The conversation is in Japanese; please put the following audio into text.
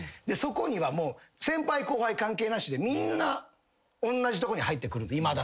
そこにはもう先輩後輩関係なしでみんなおんなじとこに入ってくるんです。